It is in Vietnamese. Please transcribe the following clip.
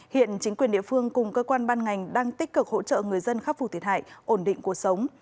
hiện chính quyền địa phương cùng cơ quan ban ngành đang tích cực hỗ trợ người dân khắc phục thiệt hại ổn định cuộc sống